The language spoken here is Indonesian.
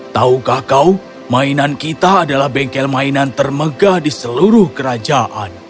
taukah kau mainan kita adalah bengkel mainan termegah di seluruh kerajaan